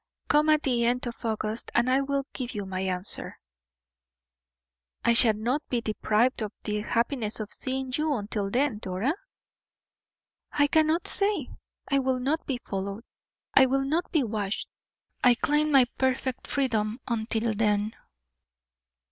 Come at the end of August, and I will give you your answer." "I shall not be deprived of the happiness of seeing you until then, Dora?" "I cannot say; I will not be followed, I will not be watched. I claim my perfect freedom until then."